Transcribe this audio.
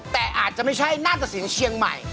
แต่อาจจะไม่ใช่หน้าตะสินเชียงใหม่